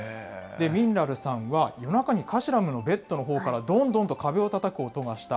ミンラルさんは、夜中にカシラムのベッドのほうからどんどんと壁をたたく音がした。